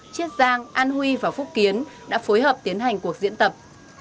chiết giang an huy và phúc kiến đã phối hợp tiến hành cuộc diễn tập